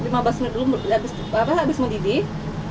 lima belas menit dulu abis mendidih